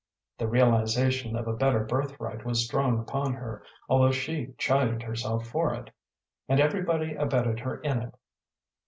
The realization of a better birthright was strong upon her, although she chided herself for it. And everybody abetted her in it.